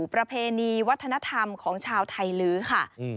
ประเพณีวัฒนธรรมของชาวไทยลื้อค่ะ